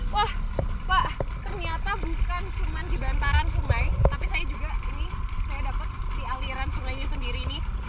wah pak ternyata bukan cuma di bantaran sungai tapi saya juga ini saya dapat di aliran sungainya sendiri nih